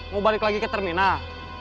mau balik lagi ke terminal